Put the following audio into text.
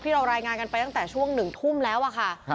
ที่เรารายงานกันไปตั้งแต่ช่วงหนึ่งทุ่มแล้วค่ะ